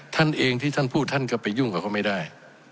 ท่านเองที่ท่านพูดท่านก็ไปยุ่งกับเขาไม่ได้